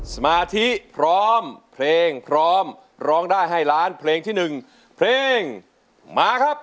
สมาธิพร้อมเพลงพร้อมร้องได้ให้ล้านเพลงที่๑เพลงมาครับ